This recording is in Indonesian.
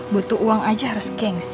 butuh uang aja harus geng sih